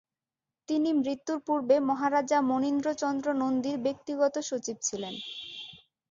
তিনি মৃত্যূর পূর্বে মহারাজা মণীন্দ্রচন্দ্র নন্দীর ব্যক্তিগত সচিব ছিলেন ।